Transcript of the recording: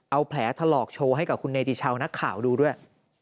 เอาแผลถลอกโชว์ให้กับคุณเนติชาวนักข่าวดูด้วย